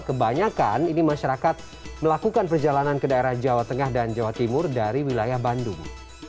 kebanyakan ini masyarakat melakukan perjalanan ke daerah jawa tengah dan jawa timur dari wilayah bandung